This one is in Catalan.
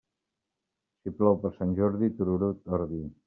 Si plou per Sant Jordi, tururut ordi.